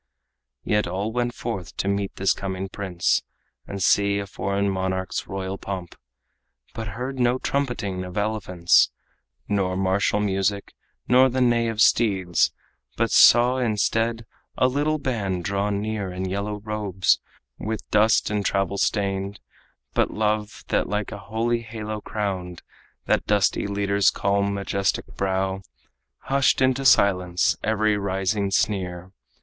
Yet all went forth to meet this coming prince, And see a foreign monarch's royal pomp, But heard no trumpeting of elephants, Nor martial music, nor the neigh of steeds, But saw instead a little band draw near In yellow robes, with dust and travel stained; But love, that like a holy halo crowned That dusty leader's calm, majestic brow, Hushed into silence every rising sneer.